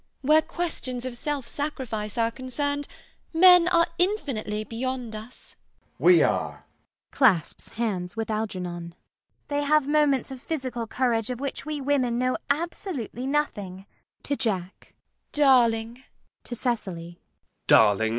Where questions of self sacrifice are concerned, men are infinitely beyond us. JACK. We are. [Clasps hands with Algernon.] CECILY. They have moments of physical courage of which we women know absolutely nothing. GWENDOLEN. [To Jack.] Darling! ALGERNON. [To Cecily.